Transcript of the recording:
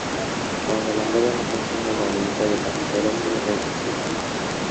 Cuando la feria no funciona el movimiento de pasajeros es reducido.